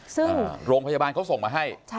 ซึ่งโรงพยาบาลเขาส่งมาให้